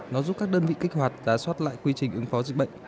nó giúp các đơn vị kích hoạt giá soát lại quy trình ứng phó dịch bệnh